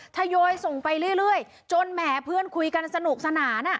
ทยอยส่งไปเรื่อยจนแหมเพื่อนคุยกันสนุกสนาน